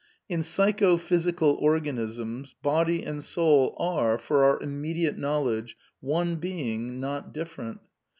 In psycho physical organisms " body and soul are, for our inmiediate knowledge, one being, not different.